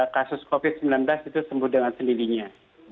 kasus covid sembilan belas itu sembuh dengan sendirinya